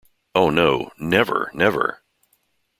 Oh no - never, never!